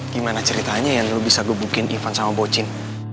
gimana ceritanya yang lu bisa gebukin ivan sama bocin